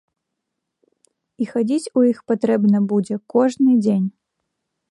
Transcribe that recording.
І хадзіць у іх патрэбна будзе кожны дзень.